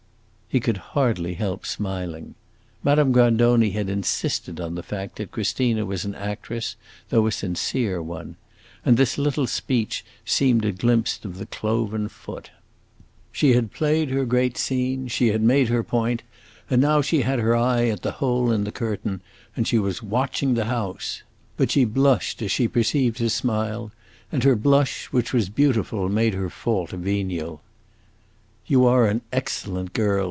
He could hardly help smiling. Madame Grandoni had insisted on the fact that Christina was an actress, though a sincere one; and this little speech seemed a glimpse of the cloven foot. She had played her great scene, she had made her point, and now she had her eye at the hole in the curtain and she was watching the house! But she blushed as she perceived his smile, and her blush, which was beautiful, made her fault venial. "You are an excellent girl!"